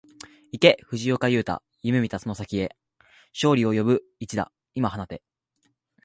行け藤岡裕大、夢見たその先へ、勝利を呼ぶ一打、今放て